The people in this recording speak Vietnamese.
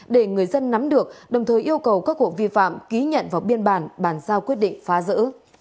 để người dân nắm được đồng thời yêu cầu các hộ vi phạm ký nhận vào biên bản bàn giao quyết định phá rỡ